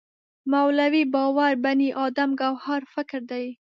مولوی باور بني ادم ګوهر فکر دی.